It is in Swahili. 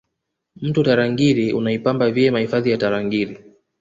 mto tarangire unaipamba vyema hifadhi ya tarangire